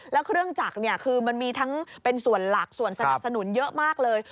แล้วเครื่องจักรคือมันมีทั้งเป็นส่วนหลักส่วนสนับสนุนเยอะมากเลย